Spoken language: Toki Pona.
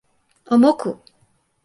o moku!